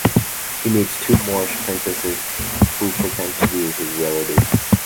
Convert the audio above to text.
He meets two Moorish princesses who pretend to be his relatives.